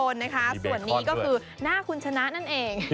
ส่วนนี้ก็คือหน้าคุณชนะนั่นเอง